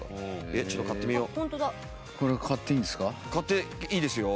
えっちょっと買ってみよう。